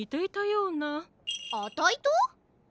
あたいと？